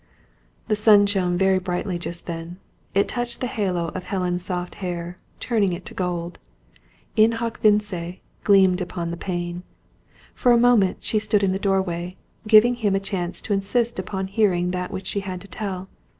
The sun shone very brightly just then. It touched the halo of Helen's soft hair, turning it to gold. In hoc vince gleamed upon the pane. For a moment she stood in the doorway, giving him a chance to insist upon hearing that which she had to tell.